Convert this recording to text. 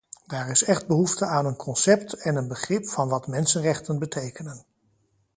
Daar is echt behoefte aan een concept en een begrip van wat mensenrechten betekenen.